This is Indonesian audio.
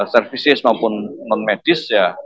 services maupun medis ya